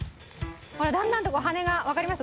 ほらだんだんとこう羽根がわかります？